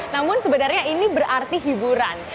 namun sebenarnya ini berarti hiburan